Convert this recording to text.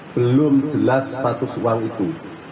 belum jelas status uang itu